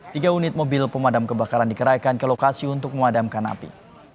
tiga unit mobil pemadam kebakaran dikerahkan ke lokasi untuk memadamkan api